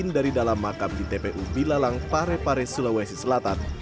bagian dari dalam makam di tpu bilalang parepare sulawesi selatan